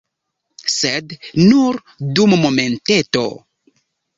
Sed nur dum momenteto.